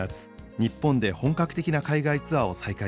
日本で本格的な海外ツアーを再開しました。